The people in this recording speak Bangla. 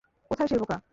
কোথায় সেই বোকা?